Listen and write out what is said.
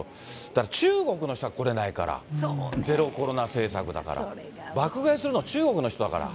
ただ中国の人は来れないから、ゼロコロナ政策だから。爆買いするの中国の人だから。